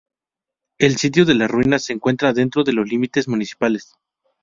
El sitio de las ruinas se encuentra dentro de los límites municipales.